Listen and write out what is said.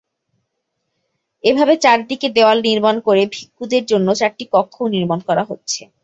এভাবে চারদিকে দেয়াল নির্মাণ করে ভিক্ষুদের জন্য চারটি কক্ষও নির্মাণ করা হচ্ছে।